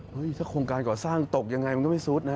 ถ้าโครงการก่อสร้างตกยังไงมันก็ไม่ซุดนะ